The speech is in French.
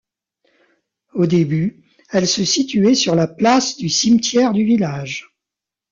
Au début, elle se situait sur la place du cimetière du village.